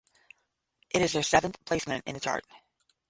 It is their seventh placement in the chart.